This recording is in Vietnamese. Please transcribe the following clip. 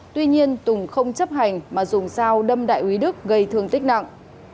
tuy nhiên tùng không chấp hành mà dùng dao đâm đại úy đức gây thương tích nặng